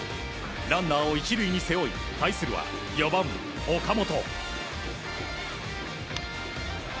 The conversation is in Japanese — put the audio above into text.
ランナーを１塁に背負い対するは４番、岡本。